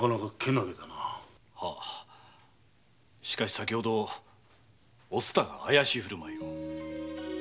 しかし先ほどお蔦が怪しい振る舞いを。